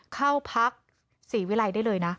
เข้าพักศรีวิรัยได้เลยนะ